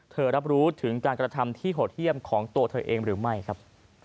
รับรู้ถึงการกระทำที่โหดเยี่ยมของตัวเธอเองหรือไม่ครับ